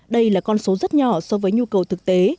đây là con số rất nhỏ so với nhu cầu thực tế